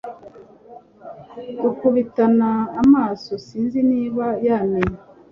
dukubitana amaso sinzi niba yamenye